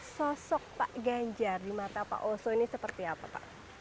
sosok pak ganjar di mata pak oso ini seperti apa pak